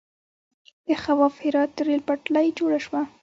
د خواف هرات ریل پټلۍ جوړه شوه.